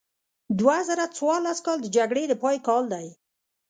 دوه زره څوارلس کال د جګړې د پای کال دی.